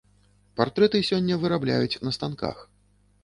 Партрэты сёння вырабляюць на станках.